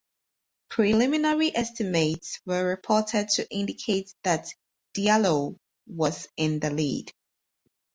Preliminary estimates were reported to indicate that Diallo was in the lead.